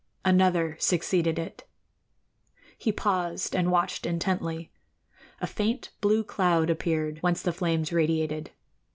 Another succeeded it. He paused and watched intently. A faint blue cloud appeared, whence the flames radiated.